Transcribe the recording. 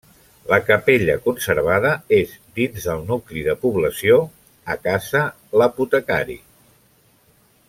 La capella, conservada, és dins del nucli de població, a Casa l'Apotecari.